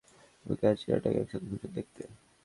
তোমাকে আর টিনাকে একসাথে খুশি দেখতে।